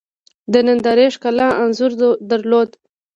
د نندارې ښکلا انځور درلود.